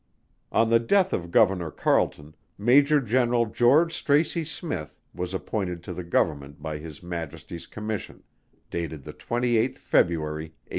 On the death of Governor CARLETON, Major General GEORGE STRACEY SMYTH, was appointed to the Government by His Majesty's Commission, dated the 28th February, 1817.